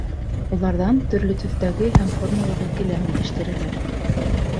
Уларҙан төрлө төҫтәге һәм формалағы келәм етештерәләр.